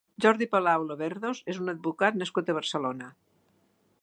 Jordi Palou-Loverdos és un advocat nascut a Barcelona.